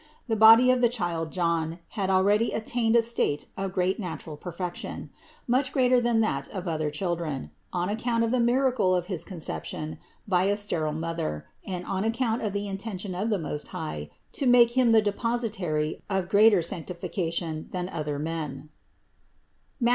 The body of the child John had already attained a state of great natural perfection ; much greater than that of other children, on account of the miracle of his conception by a sterile mother and on account of the intention of the Most High to make him the depositary of greater sanctity than other men (Matth.